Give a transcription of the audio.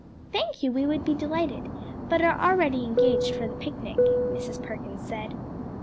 "Thank you, we would be delighted, but are already engaged for the picnic," Mrs. Perkins said.